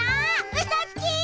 うそつき！